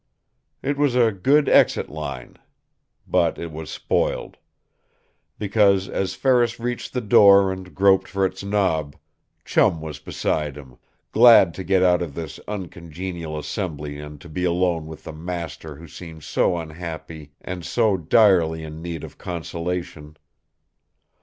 It was a good exit line. But it was spoiled. Because, as Ferris reached the door and groped for its knob, Chum was beside him glad to get out of this uncongenial assembly and to be alone with the master who seemed so unhappy and so direly in need of consolation.